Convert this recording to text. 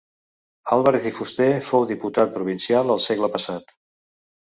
Álvarez i Fuster fou diputat provincial al segle passat.